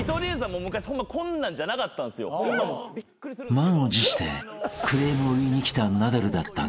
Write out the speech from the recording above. ［満を持してクレームを言いに来たナダルだったが］